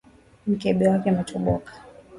Mkebe wake umetoboka.